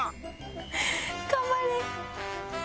頑張れ！